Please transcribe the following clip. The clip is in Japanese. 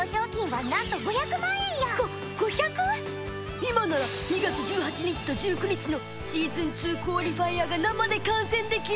今なら２月１８日と１９日のシーズンツークオリファイアが生で観戦できる！